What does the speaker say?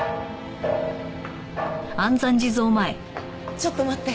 ちょっと待って。